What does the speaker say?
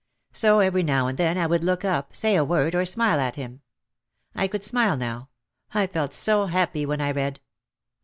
So every now and then I would look up, say a word, or smile at him. I could smile now, I felt so happy when I read.